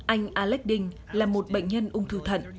anh alex ding là một bệnh nhân ung thư thận